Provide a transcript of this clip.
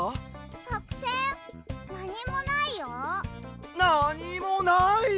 なにもない？